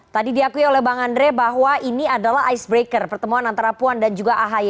tadi diakui oleh bang andre bahwa ini adalah icebreaker pertemuan antara puan dan juga ahy